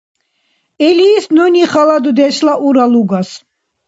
Илис нуни хала дудешла ура лугас.